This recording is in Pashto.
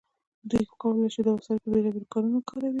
دوی وکولی شول دا وسایل په بیلابیلو کارونو وکاروي.